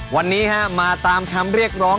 วันนี้มาตามคำเรียกร้อง